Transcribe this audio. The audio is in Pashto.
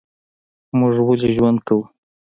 موږ ولي ژوند کوو؟